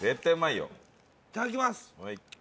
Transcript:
いただきます。